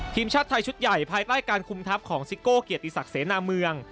ทีมชาติไทยชุดใหญ่ภายใต้การคุมทัพของซิโก้เกียรติศักดิ์เสนาเมือง